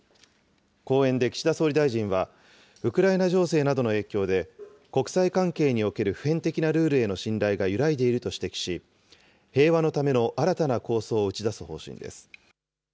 講演で岸田総理大臣は、ウクライナ情勢などの影響で、国際関係における普遍的なルールへの信頼が揺らいでいると指摘し、平和のための新たな構想を打ち出す方針です。